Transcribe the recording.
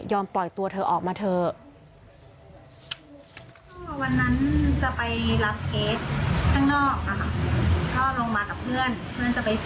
ปล่อยตัวเธอออกมาเถอะ